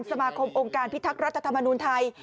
สมาคมองค์การพิทักษ์รัฐธรรมนูญไทย